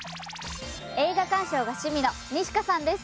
映画鑑賞が趣味の西家さんです。